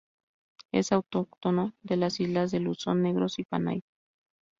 Es autóctono de las islas de Luzón, Negros y Panay.